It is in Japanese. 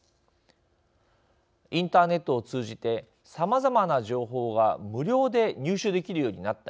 インターネットを通じてさまざまな情報が無料で入手できるようになった